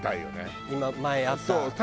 前あった？